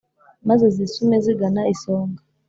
maze zisume zigana isonga